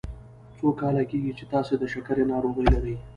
څو کاله کیږي چې تاسو د شکرې ناروغي لری؟